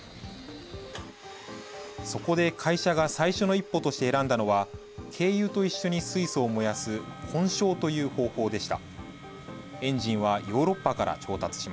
そこで会社が最初の一歩として選んだのは、軽油と一緒に水素を燃やす混焼という方法でした。